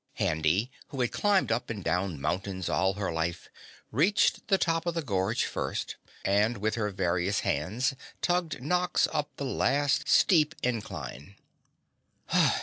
Handy, who had climbed up and down mountains all her life, reached the top of the gorge first and with her various hands tugged Nox up the last steep incline.